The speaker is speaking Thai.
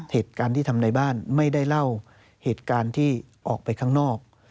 เหตุการณ์ที่ทำในบ้านไม่ได้เล่าเหตุการณ์ที่ออกไปข้างนอก